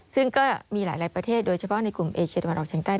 ซึ่งก็มีหลายประเทศโดยเฉพาะในกลุ่มเอเชียตะวันออกเชียงใต้